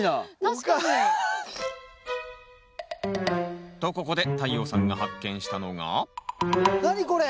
確かに。とここで太陽さんが発見したのが何これ？